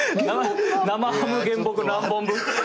生ハム原木何本分？